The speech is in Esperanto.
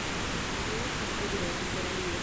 Tio estas ideo, interalie!